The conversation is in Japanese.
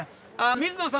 水野さん。